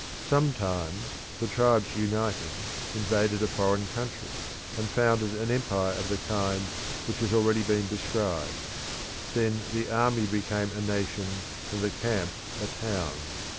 Some times the tribes uniting invaded a foreign country, and founded an empire of the kind which has already been described; then the army became a nation, and the camp a town.